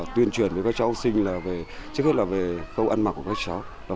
tuyên truyền với các trẻ học sinh trước hết là về câu ăn mặc của các trẻ học sinh